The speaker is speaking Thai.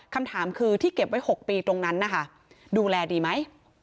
คำถามคือที่เก็บไว้๖ปีตรงนั้นนะคะดูแลดีไหม